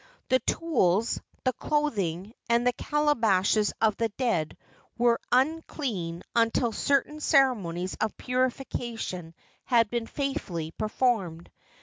The tools, the clothing, and the calabashes of the dead were, unclean until certain ceremonies of purification had been faithfully performed.